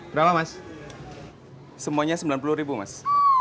berapa mas semuanya sembilan puluh ribu mas